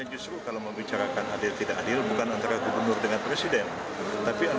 justru kalau membicarakan adil tidak adil bukan antara gubernur dengan presiden tapi